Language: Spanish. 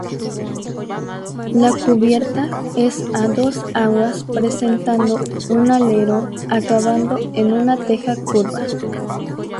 La cubierta es a dos aguas, presentando un alero acabando en una teja curva.